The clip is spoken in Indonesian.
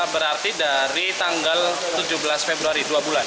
berarti dari tanggal tujuh belas februari dua bulan